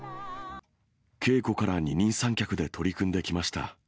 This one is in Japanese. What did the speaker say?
稽古から二人三脚で取り組んできました。